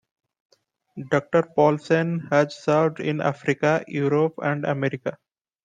Doctor Paulsen has served in Africa, Europe and America.